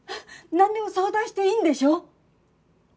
なんでも相談していいんでしょ？